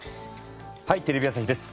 『はい！テレビ朝日です』